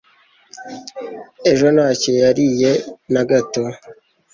Ejo ntacyo yariye nagato